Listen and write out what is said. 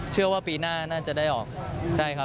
เชื่อว่าปีหน้าน่าจะได้ออก